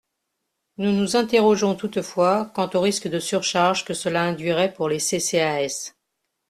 Nous nous interrogeons toutefois quant au risque de surcharge que cela induirait pour les CCAS.